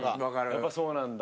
やっぱそうなんだ。